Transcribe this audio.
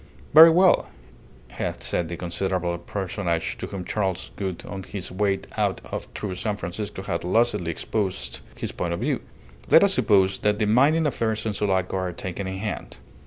"Very well," had said the considerable personage to whom Charles Gould on his way out through San Francisco had lucidly exposed his point of view. "Let us suppose that the mining affairs of Sulaco are taken in hand.